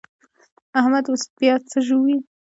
احمد اوس پياڅه ژووي.